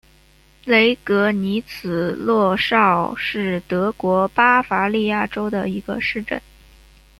雷格尼茨洛绍是德国巴伐利亚州的一个市镇。